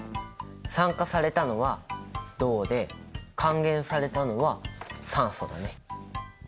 酸化されたのは銅で還元されたのは酸素だね。